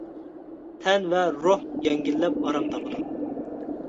تەن ۋە روھ يەڭگىللەپ ئارام تاپىدۇ.